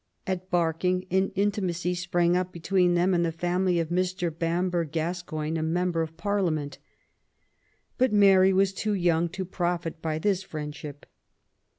At Barking an intimacy sprang up between them and the family of Mr. Bamber Gas coyne, a member of Parliament. But Mary was too young to profit by this friendship.